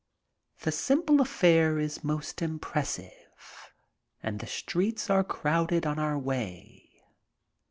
The simple affair is most impressive and the streets are crowded on our way.